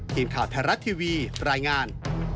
ทีมข่าวไทยรัฐทีวีรายงาน